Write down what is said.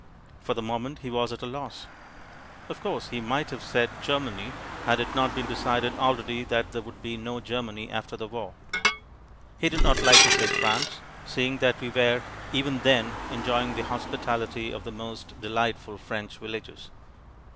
For the moment he was at a loss. Of course, he might have said "Germany," had it not been decided already that there would be no Germany after the war. He did not like to say "France," seeing that we were even then enjoying the hospitality of the most delightful French villages.